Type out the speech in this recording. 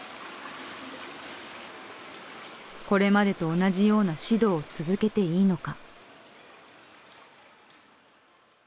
「これまでと同じような指導を続けていいのか」。